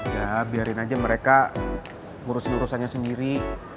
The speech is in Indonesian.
ya biarin aja mereka ngurusin urusannya sendiri